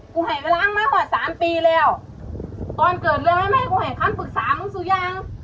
กูเห็นกำลังไหมวะสามปีแล้วตอนเกิดเรือแม่ไม่ให้กูเห็นคำปรึกษามึงซึ่งยัง